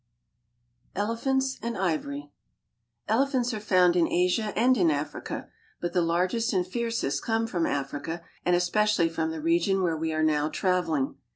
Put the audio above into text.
ELEPHANTS AND IVORY ;LEPHANTS are found in Asia and in Africa, but the largest and fiercest come from Africa and espe Lcially from the region where we are now traveling.